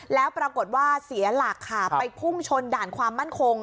แล้วปรากฏว่าเสียหลักค่ะไปพุ่งชนด่านความมั่นคง